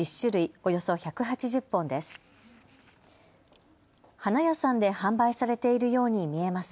およそ１８０本です。